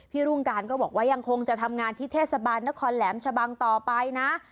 รุ่งการก็บอกว่ายังคงจะทำงานที่เทศบาลนครแหลมชะบังต่อไปนะ